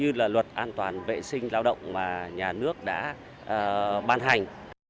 hay vụ hỏa hoạn sườn gỗ ngày hai tháng năm